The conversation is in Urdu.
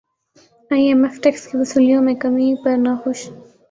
ئی ایم ایف ٹیکس کی وصولیوں میں کمی پر ناخوش